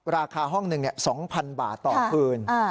ราคาห้องหนึ่ง๒๐๐๐บาทต่อคืน